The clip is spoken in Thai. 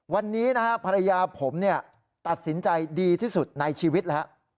วันนี้นะฮะภรรยาผมตัดสินใจดีที่สุดในชีวิตแล้ว